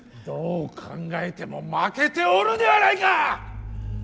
どう考えても負けておるではないか！